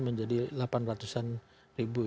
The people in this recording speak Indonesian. menjadi lapan ratusan ribu